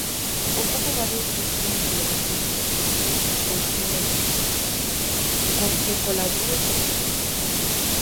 Ocupó varias posiciones relevantes en las presidencias de Manuel Oribe, con quien colaboró estrechamente.